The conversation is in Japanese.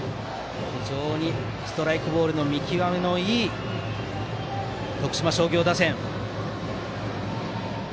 ストライク、ボールの見極めのいい徳島商業打線。